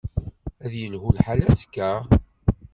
Ad yelhu lḥal azekka?